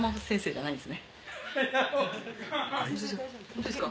ホントですか？